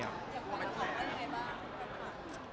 อย่างกว่าแล้วความสุขได้ยังไงบ้าง